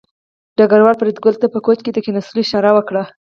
ډګروال فریدګل ته په کوچ د کېناستو اشاره وکړه